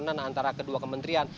ada perkembangan antara kedua kementerian